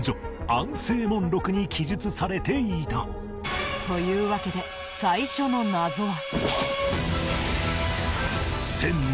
『安政聞録』に記述されていたというわけで最初の謎は。